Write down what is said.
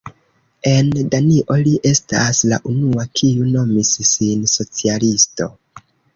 En Danio li estas la unua kiu nomis sin socialisto.